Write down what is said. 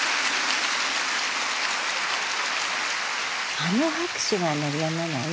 あの拍手が鳴りやまない。